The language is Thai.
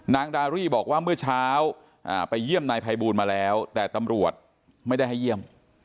ดารี่บอกว่าเมื่อเช้าไปเยี่ยมนายภัยบูลมาแล้วแต่ตำรวจไม่ได้ให้เยี่ยม